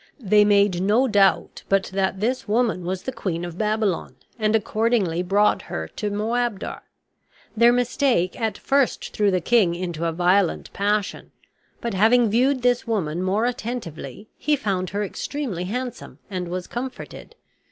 They made no doubt but that this woman was the Queen of Babylon and accordingly brought her to Moabdar. Their mistake at first threw the king into a violent passion; but having viewed this woman more attentively, he found her extremely handsome and was comforted.